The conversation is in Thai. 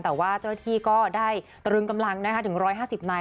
แต่ว่าเจ้าที่ก็ได้ตระลึงกำลังนะครับถึง๑๕๐นาย